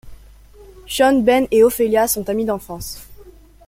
Chon, Ben et Ophelia sont amis d'enfance.